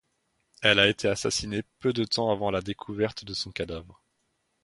Elle a été assassinée peu de temps avant la découverte de son cadavre.